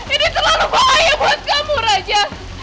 ini terlalu bahaya buat kamu raja